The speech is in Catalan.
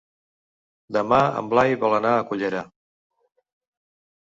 Demà en Blai vol anar a Cullera.